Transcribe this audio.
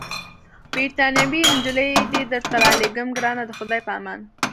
بریتانوۍ نجلۍ دي درته رالېږم، ګرانه د خدای په امان.